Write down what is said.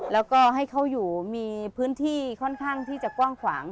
แล้วก็ให้เขาอยู่มีพื้นที่ค่อนข้างที่จะกว้างขวาง